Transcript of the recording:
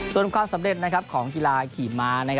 ส่วนความสำเร็จของกีฬาขี่ม้า